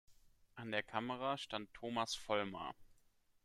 An der Kamera stand Thomas Vollmar.